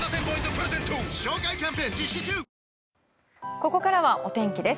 ここからはお天気です。